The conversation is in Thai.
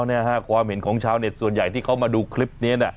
เนี่ยฮะความเห็นของชาวเน็ตส่วนใหญ่ที่เขามาดูคลิปนี้นะ